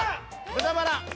豚バラ！